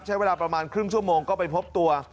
ใช้เวลาประมาณครึ่งชั่วโมงก็ไปพบตัว